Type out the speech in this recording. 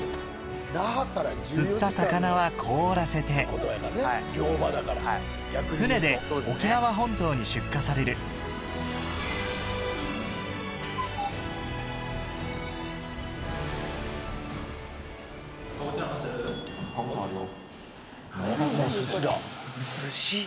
釣った魚は凍らせて船で沖縄本島に出荷される寿司だ。